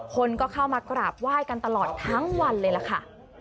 คนก็เข้ามากราบไหว้กันตลอดทั้งวันเลยล่ะค่ะ